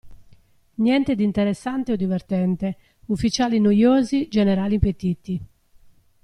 Niente di interessante o divertente, ufficiali noiosi, generali impettiti.